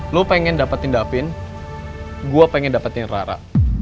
lo pengen dapetin davin gue pengen dapetin rara